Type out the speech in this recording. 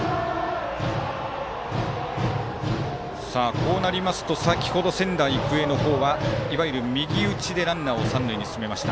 こうなりますと先程仙台育英の方はいわゆる右打ちでランナーを三塁に進めました。